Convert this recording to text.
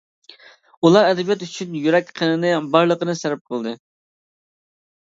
ئۇلار ئەدەبىيات ئۈچۈن يۈرەك قېنىنى، بارلىقىنى سەرپ قىلدى.